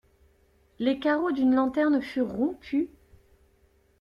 Les carreaux d'une lanterne furent rompus.